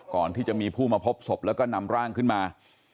ก่อนที่จะมีผู้มาพบศพแล้วก็นำร่างขึ้นมา